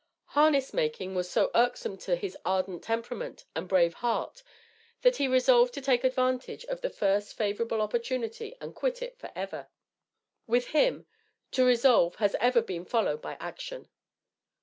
Harness making was so irksome to his ardent temperament and brave heart, that he resolved to take advantage of the first favorable opportunity and quit it forever. With him, to resolve has ever been followed by action.